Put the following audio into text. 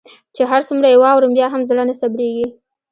چي هر څومره يي واورم بيا هم زړه نه صبریږي